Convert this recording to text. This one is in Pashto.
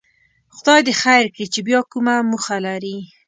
خدای دې خیر کړي چې بیا کومه موخه لري.